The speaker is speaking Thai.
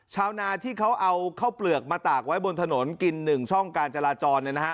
ชาวนาที่เขาเอาข้าวเปลือกมาตากไว้บนถนนกิน๑ช่องการจราจร